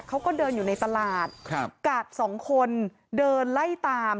เขาก็เดินอยู่ในตลาดครับกาดสองคนเดินไล่ตาม